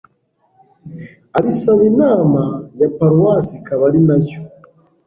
abisaba inama ya paruwase ikaba ari nayo